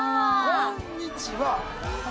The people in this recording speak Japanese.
こんにちは。